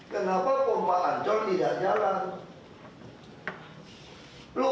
kenapa pompa ancol tidak jalan